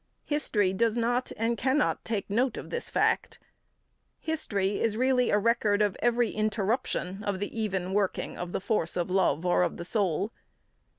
History does not and cannot take note of this fact. History is really a record of every interruption of the even working of the force of love or of the soul.